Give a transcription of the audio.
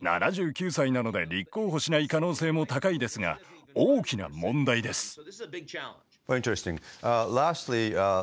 ７９歳なので立候補しない可能性も高いですが大きな問題です。